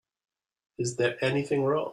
Is there anything wrong?